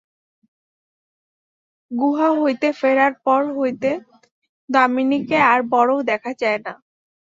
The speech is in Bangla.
গুহা হইতে ফেরার পর হইতে দামিনীকে আর বড়ো দেখা যায় না।